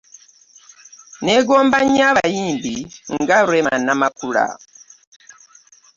Negomba nnyo abayimbi nga Rema Namakula.